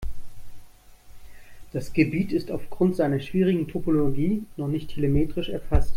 Das Gebiet ist aufgrund seiner schwierigen Topologie noch nicht telemetrisch erfasst.